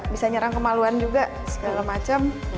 bisa nyerang kemaluan juga segala macam